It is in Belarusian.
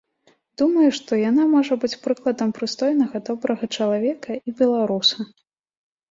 Думаю, што яна можа быць прыкладам прыстойнага, добрага чалавека і беларуса.